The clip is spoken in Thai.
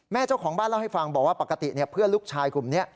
เจ้าของบ้านเล่าให้ฟังบอกว่าปกติเพื่อนลูกชายกลุ่มนี้